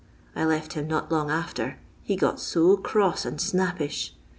I left him not long after — he got to cross and snappish.